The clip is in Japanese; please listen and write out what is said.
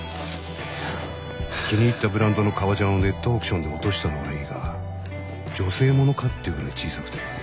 気に入ったブランドの革ジャンをネットオークションで落としたのはいいが女性物かっていうぐらい小さくて。